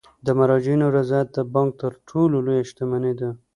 د مراجعینو رضایت د بانک تر ټولو لویه شتمني ده.